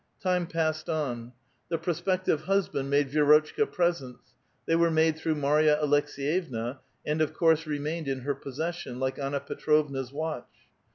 Time passed on. The prospective husband made Vidro tchka presents ; they were made through Marya Alekseyevna, and of course remained in her possession, like Anna Petrov na's watch.